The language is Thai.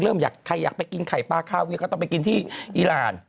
ใครอยากไปกินไข่ปลาคาเวียก็ต้องไปกินที่อีราน